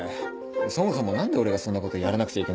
そもそも何で俺がそんなことやらなくちゃいけないんだよ。